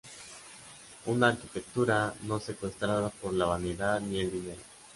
Una arquitectura no secuestrada por la vanidad ni el dinero".